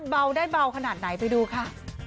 เบาได้เบาขนาดไหนไปดูค่ะ